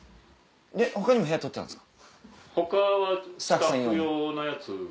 他にも部屋取ってあるんですか？